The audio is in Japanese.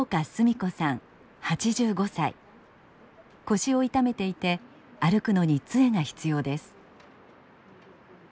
腰を痛めていて歩くのに杖が必要です。